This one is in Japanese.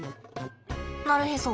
なるへそ。